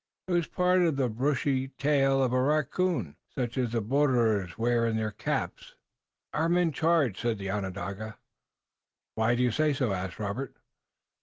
It was part of the brushy tail of a raccoon, such as the borderers wore in their caps. "Our men charged," said the Onondaga. "Why do you say so?" asked Robert.